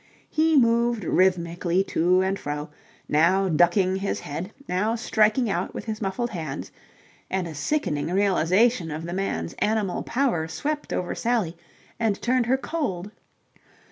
He moved rhythmically to and fro, now ducking his head, now striking out with his muffled hands, and a sickening realization of the man's animal power swept over Sally and turned her cold.